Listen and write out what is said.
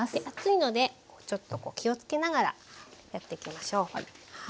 熱いので気をつけながらやっていきましょう。